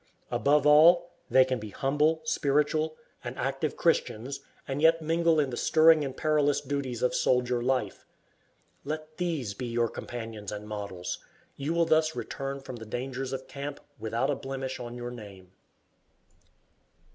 Above all, they can be humble, spiritual, and active Christians, and yet mingle in the stirring and perilous duties of soldier life. Let these be your companions and models. You will thus return from the dangers of camp without a blemish on your name.